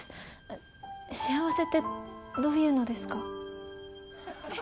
「幸せ」ってどういうのですか？